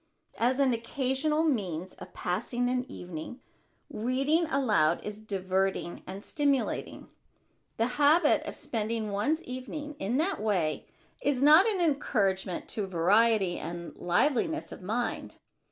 As an occasional means of passing an evening, reading aloud is diverting and stimulating. The habit of spending one's evenings in that way is not an encouragement to variety and liveliness of mind.